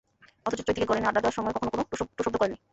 অথচ চৈতিকে ঘরে এনে আড্ডা দেওয়ার সময় কখনো কোনো টুঁ শব্দ করেননি।